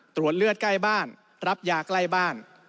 ตรวจเลือดใกล้บ้านรับยาใกล้บ้าน